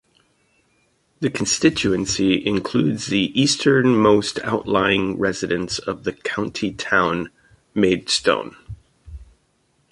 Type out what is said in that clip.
The constituency includes the easternmost outlying residents of the county town, Maidstone.